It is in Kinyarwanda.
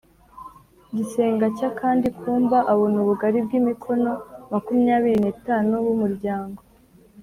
gisenge cy akandi kumba abona ubugari bw imikono makumyabiri n itanu b umuryango